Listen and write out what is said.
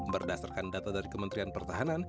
berdasarkan data dari kementerian pertahanan